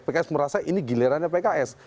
pks merasa ini gilirannya pks